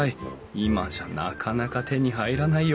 今じゃなかなか手に入らないよ